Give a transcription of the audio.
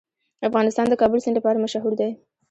افغانستان د د کابل سیند لپاره مشهور دی.